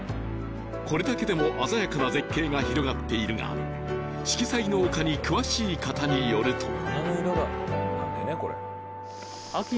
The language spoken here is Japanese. これだけでも鮮やかな絶景が広がっているが四季彩の丘に詳しい方によると花の色がなんだよね